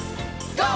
ＧＯ！